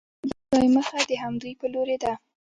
د خدای مخه د همدوی په لورې ده.